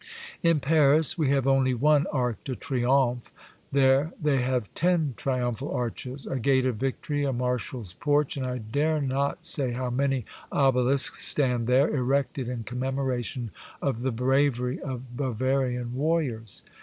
In 32 2 Monday Tales. Paris we have only one Arc de Triomphe, — there they have ten triumphal arches, a Gate of Victory, a Marshals' Porch, and I dare not say how many obelisks stand there, erected in commemoration of tJie bravery of Bavarian warriors.